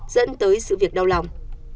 dẫn tới sự việc đau lòng